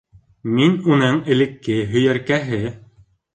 Мин уның элекке һөйәркәһе.